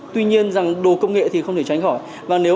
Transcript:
tuy nhiên rằng đồ công nghệ thì không thể tránh khỏi